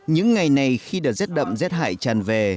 những ngày này khi đợt rét đậm rét hại tràn về